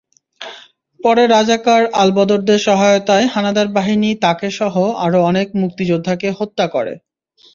পরে রাজাকার-আলবদরদের সহায়তায় হানাদার বাহিনী তাঁকেসহ আরও অনেক মুক্তিযোদ্ধাকে হত্যা করে।